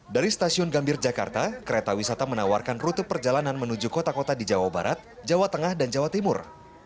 dari stasiun gambir jakarta kereta wisata menawarkan rute perjalanan menuju kota kota di jawa barat jawa tengah dan jawa timur